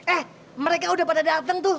eh mereka udah pada datang tuh